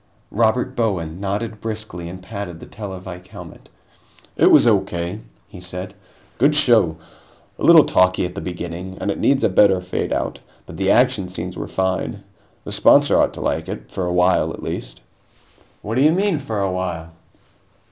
Robert Bowen nodded briskly and patted the televike helmet. "It was O.K.," he said. "Good show. A little talky at the beginning, and it needs a better fade out, but the action scenes were fine. The sponsor ought to like it for a while, at least." "What do you mean, 'for a while'?"